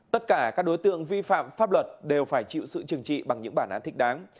tất cả các đối tượng vi phạm pháp luật đều phải chịu sự trừng trị bằng những bản án thích đáng